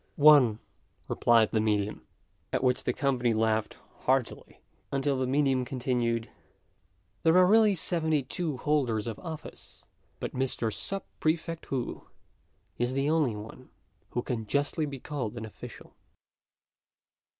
"One," replied the medium; at which the company laughed heartily, until the medium continued, "There are really seventy two holders of office, but Mr. Sub prefect Wu is the only one who can justly be called an official."